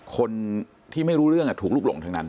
คนที่ไม่รู้เรื่องถูกลุกหลงทั้งนั้น